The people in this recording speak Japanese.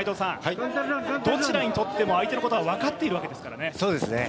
どちらにとっても相手のことは分かっているわけですからね。